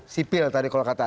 sipil tadi kalau kata